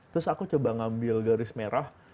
terus aku coba ngambil garis merah